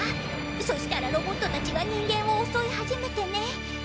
そしたらロボットたちが人間を襲い始めてね。